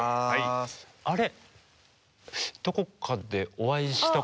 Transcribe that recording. あれ？